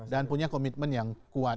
dan punya komitmen yang kuat